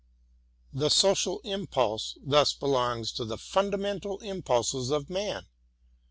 The Social Impulse thus belongs to the fundamental impulses of man.